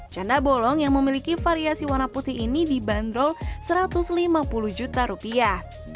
canda bolong yang memiliki variasi warna putih ini dibanderol satu ratus lima puluh juta rupiah